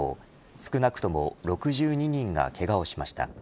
少なくとも６２人がけがをしました。